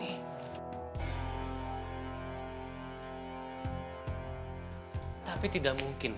atau tidak mungkin